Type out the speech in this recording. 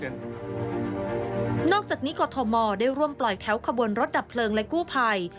นอกจากนี้กรทมได้ร่วมปล่อยแถวขบวนรถดับเพลิงและกู้ภัย